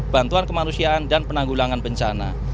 bantuan kemanusiaan dan penanggulangan bencana